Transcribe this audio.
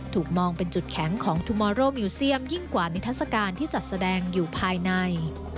ถูกมองเป็นจุดแข็งของทูมอโรมิวเซียมยิ่งกว่านิทัศกาลที่จัดแสดงอยู่ภายใน